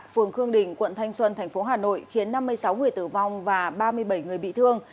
phường khương đình quận thanh xuân tp hà nội khiến năm mươi sáu người tử vong và ba mươi bảy người bị thương